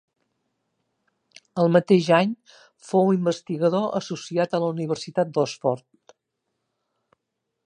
El mateix any fou investigador associat a la Universitat d'Oxford.